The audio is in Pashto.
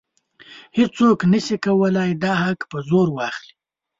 هیڅوک نشي کولی دا حق په زور واخلي.